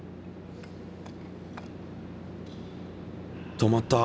とまった。